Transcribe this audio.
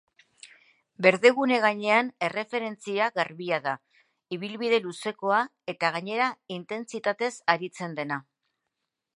Berdegune gainean erreferentzia garbia da, ibilbide luzekoa eta gainera intentsitatez aritzen dena.